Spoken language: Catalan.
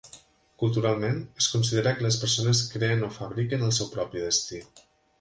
Culturalment, es considera que les persones creen o fabriquen el seu propi destí.